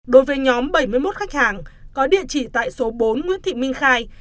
đối với nhóm bảy mươi một khách hàng có địa chỉ tại số bốn nguyễn thị minh khai